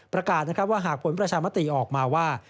ประกาศว่าหากผลประชามาตรีออกมาว่า